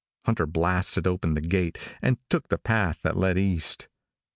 Hunter blasted open the gate, and took the path that led east.